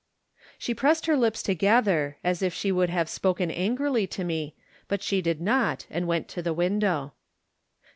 '* She pressed her lips together as if she would have spoken angrily to me, but she did not, and went to the window.